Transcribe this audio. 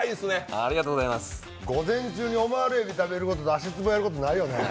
午前中にオマール海老食べるのに足つぼやることもないよね